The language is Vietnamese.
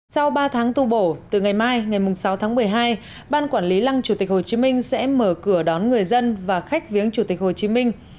sau ba tháng tu bổ từ ngày mai ngày sáu tháng một mươi hai ban quản lý lăng chủ tịch hồ chí minh sẽ mở cửa đón người dân và khách viếng chủ tịch hồ chí minh